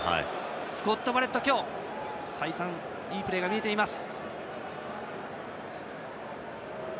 スコット・バレットは今日再三いいプレーが見えています。